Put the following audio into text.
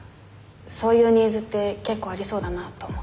そういうニーズって結構ありそうだなと思って。